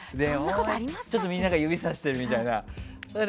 ちょっとみんなが指さしてるみたいな。